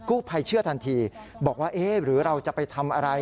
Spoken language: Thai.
กูพัยเชื่อทันทีบอกว่าเราจะไปทำอะไร